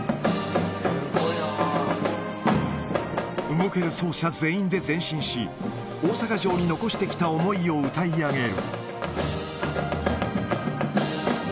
動ける奏者全員で前進し、大阪城に残してきた思いを歌い上げる。